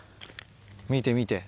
見て見て。